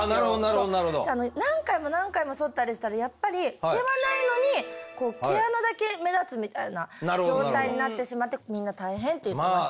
何回も何回もそったりしたらやっぱり毛はないのに毛穴だけ目立つみたいな状態になってしまってみんな大変って言ってましたね。